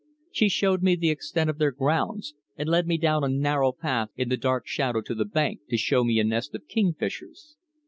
She showed me the extent of their grounds and led me down a narrow path in the dark shadow to the bank to show me a nest of kingfishers.